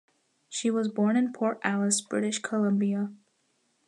She was born in Port Alice, British Columbia.